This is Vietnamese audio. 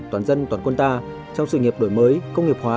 toàn dân toàn quân ta trong sự nghiệp đổi mới công nghiệp hóa